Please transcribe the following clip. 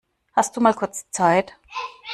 Hast du mal kurz Zeit?